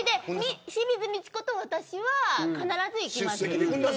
清水ミチコと私は必ず出席する。